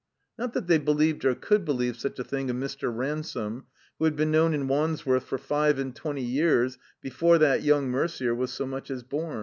Not that they believed or cotdd believe such a thing of Mr. Ransome, who had been known in Wandsworth for five and twenty years before that yotmg Merder was so much as bom.